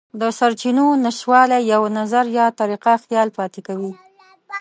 د سرچینو نشتوالی یو نظر یا طریقه خیال پاتې کوي.